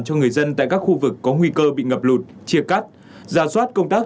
cho người dân tại các khu vực có nguy cơ bị ngập lụt chia cắt ra soát công tác